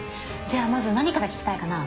じゃあまず何から聞きたいかな？